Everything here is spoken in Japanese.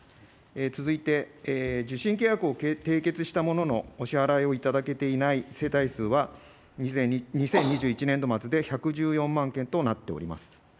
続いて、受信契約を締結したものの、お支払いをいただけていない世帯数は、２０２１年度末で１１４万件となっております。